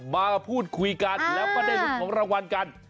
มาพูดคุยกันแล้วก็ได้ลุ้นของรางวัลกัน